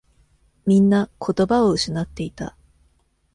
みんな言葉を失っていた。